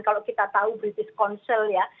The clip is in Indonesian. kalau kita tahu british council ya